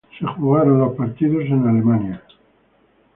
Los partidos fueron jugados en Alemania.